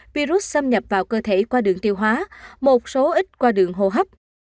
virus xâm nhập vào cơ thể qua đường tiêu hóa một số ít qua đường hô hấp